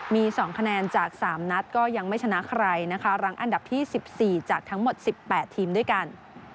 มี๒คะแนนจาก๓นัดก็ยังไม่ชนะใครนะคะรั้งอันดับที่๑๔จากทั้งหมด๑๘ทีมด้วยกัน